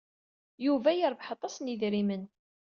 Yuba yerbeḥ-d aṭas n yidrimen.